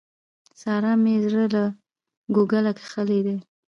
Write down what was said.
سارا مې زړه له کوګله کښلی دی.